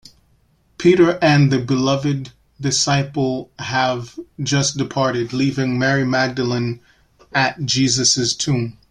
Peter and the Beloved Disciple have just departed, leaving Mary Magdalene at Jesus' tomb.